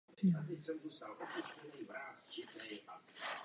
Plody jsou místy oblíbeným ovocem.